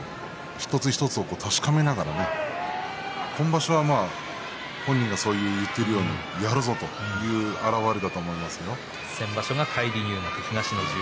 一つ一つ確かめながら今場所は本人が言ってるようにやるぞという表れだと思います。